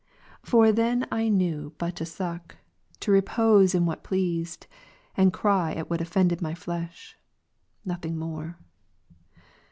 For then I knew but to suck ; to repose in what pleased, and cry at what offended my flesh ; nothing more.